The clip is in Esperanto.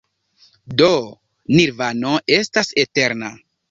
Do Nirvano estas eterna.